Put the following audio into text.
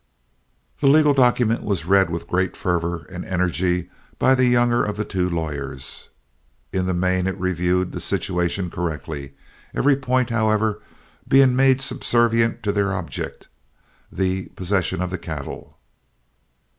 The legal document was read with great fervor and energy by the younger of the two local lawyers. In the main it reviewed the situation correctly, every point, however, being made subservient to their object, the possession of the cattle.